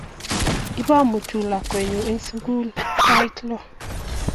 Ibamutu lakwenyo eng' sukul sait lo